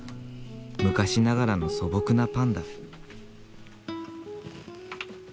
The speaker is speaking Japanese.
昔ながらの素朴なパンだ。